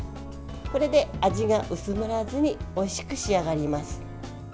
これで味が薄まらずにおいしく仕上がります。